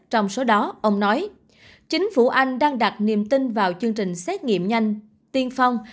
trong số đó ông nói chính phủ anh đang đặt niềm tin vào chương trình xét nghiệm nhanh tiên phong